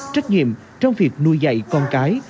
trách nhiệm trong việc nuôi dạy con cái